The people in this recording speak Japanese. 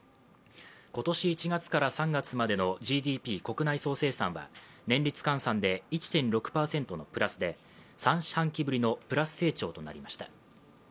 今年１月から３月までのＧＤＰ＝国内総生産は年率換算で１．６％のプラスで３四半期ぶりのプラス成長となりました。